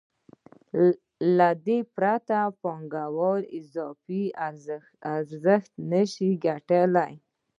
له دې پرته پانګوال اضافي ارزښت نشي ګټلی